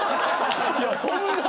いやそんな。